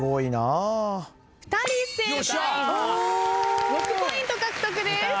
２人正解６ポイント獲得です。